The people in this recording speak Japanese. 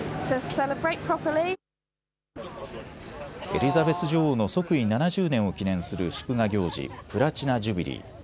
エリザベス女王の即位７０年を記念する祝賀行事、プラチナ・ジュビリー。